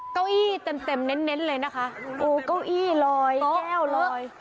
เก้าอี้เต็มเต็มเน้นเน้นเลยนะคะโอ้เก้าอี้ลอยแก้วลอย